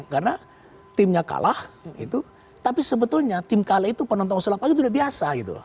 karena timnya kalah tapi sebetulnya tim kalah itu penonton selapanya itu sudah biasa